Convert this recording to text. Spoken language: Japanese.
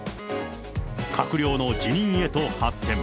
閣僚の辞任へと発展。